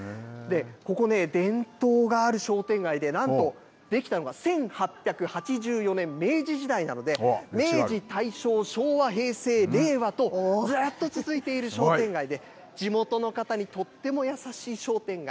ここね、伝統がある商店街で、なんと、出来たのが１８８４年、明治時代なので、明治、大正、昭和、平成、令和とずっと続いている商店街で、地元の方にとっても優しい商店街。